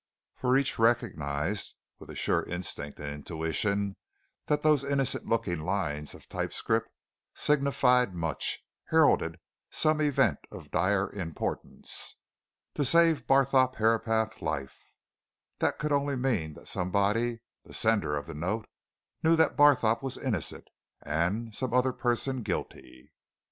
For each recognized, with a sure instinct and intuition, that those innocent looking lines of type script signified much, heralded some event of dire importance. To save Barthorpe Herapath's life! that could only mean that somebody the sender of the note knew that Barthorpe was innocent and some other person guilty.